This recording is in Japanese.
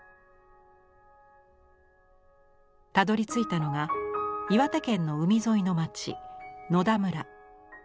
たどりついたのが岩手県の海沿いの町野田村。